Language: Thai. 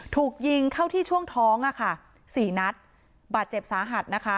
ถูกยิงเข้าที่ช่วงท้อง๔นัดบาดเจ็บสาหัส